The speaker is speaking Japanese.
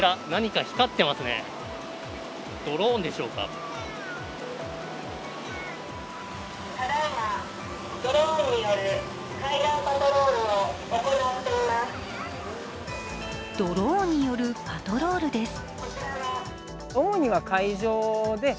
ドローンによるパトロールです。